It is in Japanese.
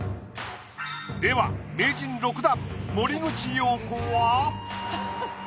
では名人６段森口瑤子は？